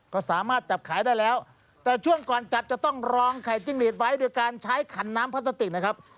ก็สามารถจับขายได้แล้วแต่ช่วงก่อนจับจะต้องรองไข่จิ้งหลีดไว้โดยการใช้ขันน้ำพลาสติกนะครับ